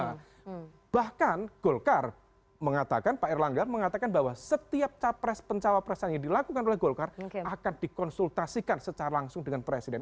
nah bahkan golkar mengatakan pak erlangga mengatakan bahwa setiap capres pencawapres yang dilakukan oleh golkar akan dikonsultasikan secara langsung dengan presiden